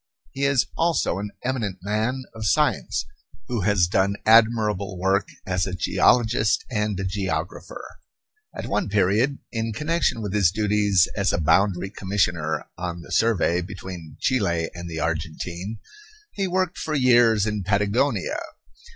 He is also an eminent man of science, who has done admirable work as a geologist and a geographer. At one period, in connection with his duties as a boundary commissioner on the survey between Chile and the Argentine, he worked for years in Patagonia.